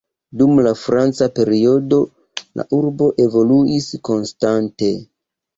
Dum la franca periodo la urbo evoluis konstante.